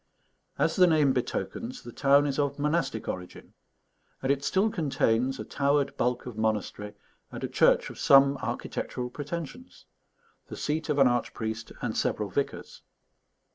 As the name betokens, the town is of monastic origin; and it still contains a towered bulk of monastery and a church of some architectural pretensions, the seat of an archpriest and several vicars.